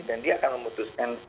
dan dia akan memutuskan